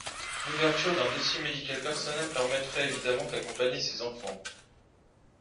L’ouverture d’un dossier médical personnel permettrait évidemment d’accompagner ces enfants.